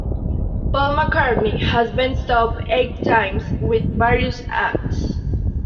Paul McCartney has been top eight times with various acts.